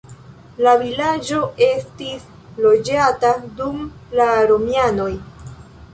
La vilaĝo estis loĝata dum la romianoj.